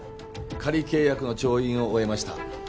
仮契約の調印を終えました